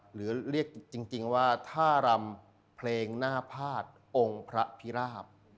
หรือเรียกจริงว่าท่ารำเพลงหน้าพาดองค์พระพิราบ